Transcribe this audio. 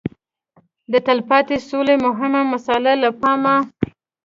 د تلپاتې سولې مهمه مساله له پامه